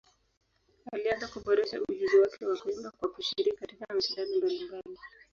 Alianza kuboresha ujuzi wake wa kuimba kwa kushiriki katika mashindano mbalimbali.